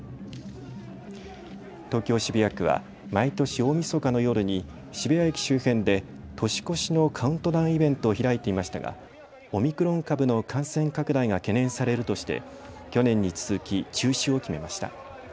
東京渋谷区は毎年大みそかの夜に渋谷駅周辺で年越しのカウントダウンイベントを開いていましたがオミクロン株の感染拡大が懸念されるとして去年に続き中止を決めました。